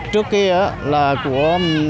trước kia là của